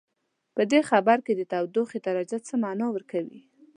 په دې خبر کې د تودوخې درجه څه معنا ورکوي؟